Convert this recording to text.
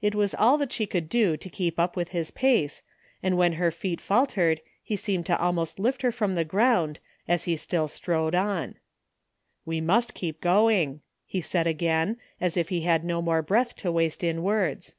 It was all she could do to keep up with his pace, and when her feet faltered he seemed to almost lift her from the ground as he still strode on. "We must keep going," he said again, as if he had no more breath to waste in words.